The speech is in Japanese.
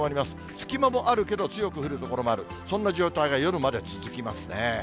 隙間もあるけど、強く降る所もある、そんな状態が夜まで続きますね。